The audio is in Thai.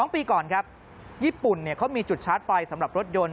๒ปีก่อนครับญี่ปุ่นเขามีจุดชาร์จไฟสำหรับรถยนต์